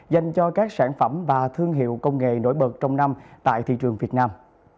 dành cho các sản phẩm và thương hiệu công nghệ nổi bật trong năm tại thị trường việt nam